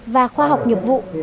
và khoa học nghiệp vụ